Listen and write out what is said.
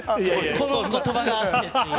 この言葉がって。